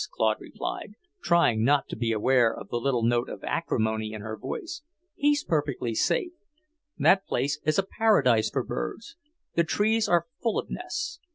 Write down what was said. Claude replied, trying not to be aware of the little note of acrimony in her voice. "He's perfectly safe. That place is a paradise for birds. The trees are full of nests.